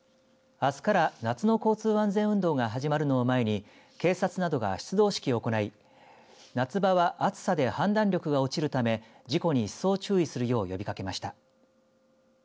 あすから夏の交通安全運動が始まるのを前に警察などが出動式を行い夏場は暑さで判断力が落ちるため事故に一層注意するよう呼びかけました。